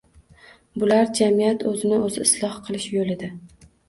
– bular jamiyat o‘z-o‘zini isloh qilish yo‘lida